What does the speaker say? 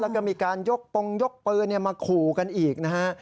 แล้วก็มีการยกปงยกปืนมาขู่กันอีกนะฮะ